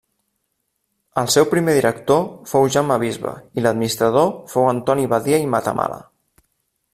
El seu primer director fou Jaume Bisbe i l'administrador fou Antoni Badia i Matamala.